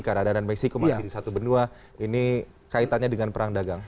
kanada dan meksiko masih di satu benua ini kaitannya dengan perang dagang